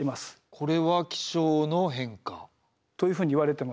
これは気象の変化？というふうにいわれてます。